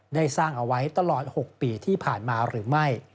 ได้สร้างเอาไว้ตลอด๖ปีที่ผ่านมาหรือไม่